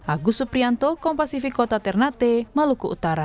agus suprianto kompasifik kota ternate maluku utara